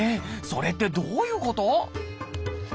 それってどういうこと？